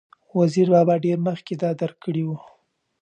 وزیر بابا ډېر مخکې دا درک کړې وه،